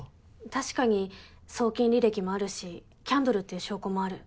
確かに送金履歴もあるしキャンドルっていう証拠もある。